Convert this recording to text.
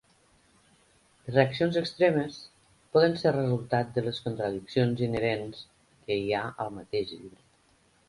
Les reaccions extremes poden ser resultat de les contradiccions inherents que hi ha al mateix llibre.